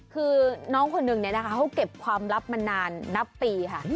คือน้องคนนึงเขาเก็บความลับมานานนับปีค่ะ